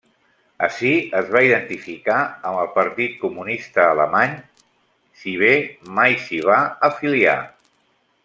Ací es va identificar amb el Partit Comunista Alemany si bé mai s'hi va afiliar.